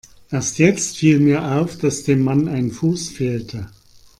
Erst jetzt viel mir auf, dass dem Mann ein Fuß fehlte.